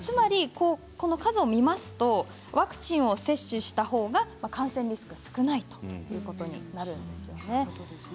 数を見るとワクチンを接種したほうが感染リスクが少ないということになるんですよね。